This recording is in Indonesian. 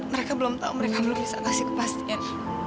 mereka belum tahu mereka belum bisa kasih kepastian